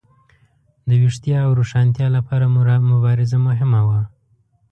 د ویښتیا او روښانتیا لپاره مبارزه مهمه وه.